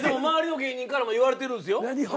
周りの芸人からも言われてるんですよ。